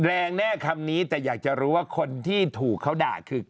แรงแน่คำนี้แต่อยากจะรู้ว่าคนที่ถูกเขาด่าคือ